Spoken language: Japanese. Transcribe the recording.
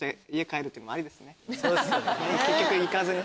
結局行かずに。